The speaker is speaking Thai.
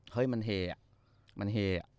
เฮ้ยมันเฮอ่ะมันเฮ